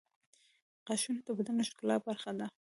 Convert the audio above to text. غاښونه د بدن د ښکلا برخه ده.